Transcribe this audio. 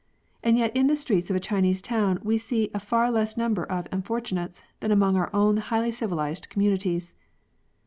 And yet in the streets of a Chinese town we see a far less number of " unfortunates " than among our own highly civilised communities.